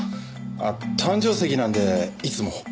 ああ誕生石なんでいつも。